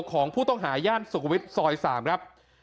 ของผู้ต้องหาย่านสุขวิทย์ซอย๓ครับ